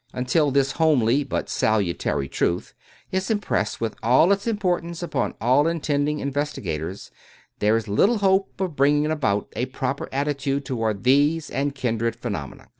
Until this homely but salutary truth is impressed with all its importance upon all intending investigators, there is little hope of bringing about a proper attitude toward these and kindred phe nomena."